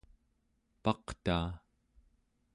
paqtaa